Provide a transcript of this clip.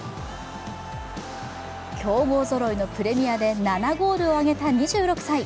強豪ぞろいのプレミアで７ゴールを挙げた２６歳。